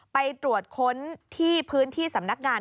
ไปตรวจค้นที่พื้นที่สำนักงาน